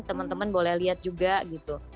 teman teman boleh lihat juga gitu